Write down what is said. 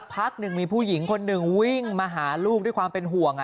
พักหนึ่งมีผู้หญิงคนหนึ่งวิ่งมาหาลูกด้วยความเป็นห่วง